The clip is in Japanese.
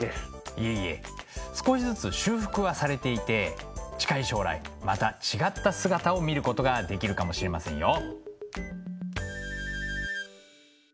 いえいえ少しずつ修復はされていて近い将来また違った姿を見ることができるかもしれませんよ。